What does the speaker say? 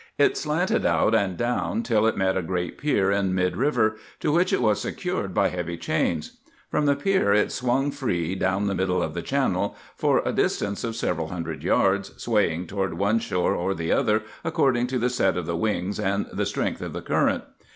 It slanted out and down till it met a great pier in mid river, to which it was secured by heavy chains. From the pier it swung free down the middle of the channel for a distance of several hundred yards, swaying toward one shore or the other according to the set of the wings and the strength of the current.